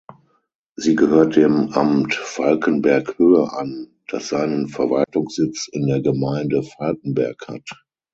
Sie gehört dem Amt Falkenberg-Höhe an, das seinen Verwaltungssitz in der Gemeinde Falkenberg hat.